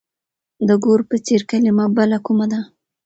د ګور په څېر کلمه بله کومه ده؟